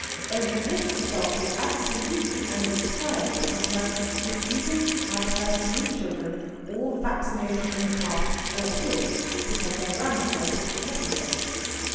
Only this resulted absolutely and entirely from her refusing to have her three children all vaccinated from the calf forthwith, because their grandmother thought it necessary.